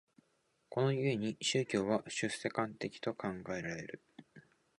この故に宗教は出世間的と考えられる。